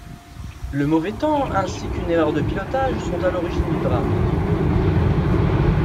Le mauvais temps ainsi qu'une erreur de pilotage sont à l'origine du drame.